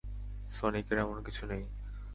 সনিকের এমন কিছু নেই।